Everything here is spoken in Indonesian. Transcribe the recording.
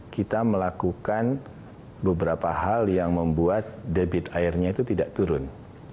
kita melakukan beberapa hal yang membuat debit airnya itu tidak turun